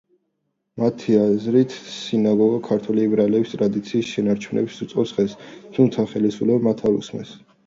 მათი აზრით, სინაგოგა ქართველი ებრაელების ტრადიციის შენარჩუნებას უწყობს ხელს, თუმცა ხელისუფლება მათ არ უსმენს.